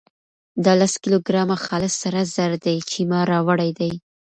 دا لس کيلو ګرامه خالص سره زر دي چې ما راوړي دي.